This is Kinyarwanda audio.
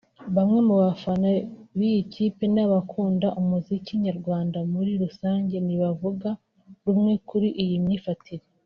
Bamwe mu bafana b’iyi kipe n’abakunda umuziki nyarwanda muri rusange ntibavuga rumwe kuri iyi mifanire